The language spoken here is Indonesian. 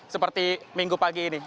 seperti minggu pagi ini